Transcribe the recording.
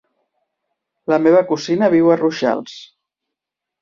La meva cosina viu a Rojals.